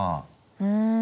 うん。